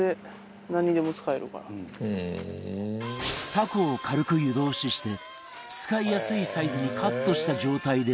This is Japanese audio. たこを軽く湯通しして使いやすいサイズにカットした状態で冷凍